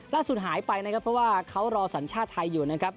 หายไปนะครับเพราะว่าเขารอสัญชาติไทยอยู่นะครับ